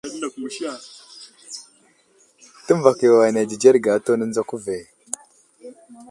Təmbak yo ane adzədzerge atu, nənzako ve.